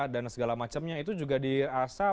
dan segala macamnya itu juga di asa